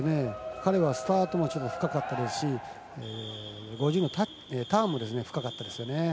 彼はスタートが深かったですし５０のターンも深かったですよね。